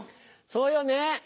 そうよね。